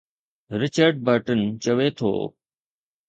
Richard Burton چوي ٿو.